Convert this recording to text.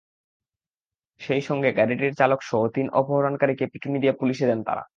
সেই সঙ্গে গাড়িটির চালকসহ তিন অপহরণকারীকে পিটুনি দিয়ে পুলিশে দেন তাঁরা।